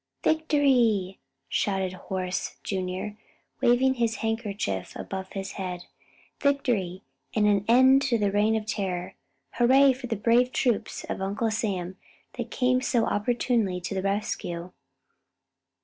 "Victory!" shouted Horace, Jr., waving his handkerchief about his head, "victory, and an end to the reign of terror! Hurrah for the brave troops of Uncle Sam that came so opportunely to the rescue!